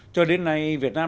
cho đến nay việt nam